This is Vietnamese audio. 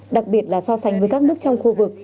đặc biệt là so sánh với các nước trong khu vực